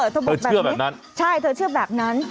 เธอบอกแบบเชื่อแบบนั้นใช่เธอเชื่อแบบนั้น